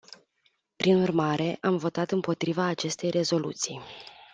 Prin urmare, am votat împotriva acestei rezoluții.